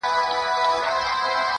دغه اوږده شپه تر سهاره څنگه تېره كړمه